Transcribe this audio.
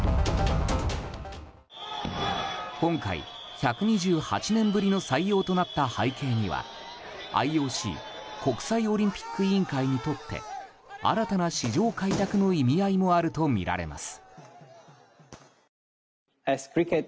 今回、１２８年ぶりの採用となった背景にはＩＯＣ・国際オリンピック委員会にとって新たな市場開拓の意味合いもあるとみられます。